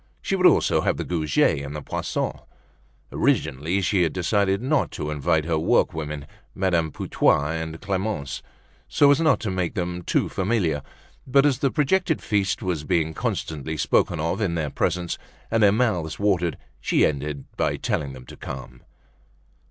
She would also have the Goujets and the Poissons. Originally, she had decided not to invite her workwomen, Madame Putois and Clemence, so as not to make them too familiar; but as the projected feast was being constantly spoken of in their presence, and their mouths watered, she ended by telling them to come.